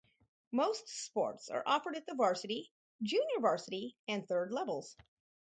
Most sports are offered at the varsity, junior varsity and thirds levels.